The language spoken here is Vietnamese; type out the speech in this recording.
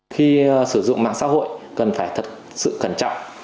khi sử dụng mạng xã hội cần phải thật sự cẩn trọng